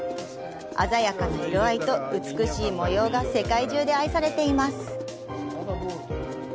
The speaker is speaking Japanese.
鮮やかな色合いと美しい模様が世界中で愛されています。